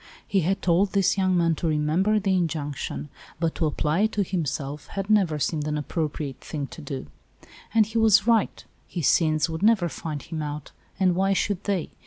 He had told this young man to remember the injunction, but to apply it to him self had never seemed an appropriate thing to do. And he was right : his sins would never find him out, and why should they?